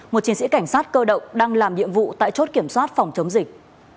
một chiến sĩ cảnh sát cơ động đang làm nhiệm vụ tại chốt kiểm soát phòng chống dịch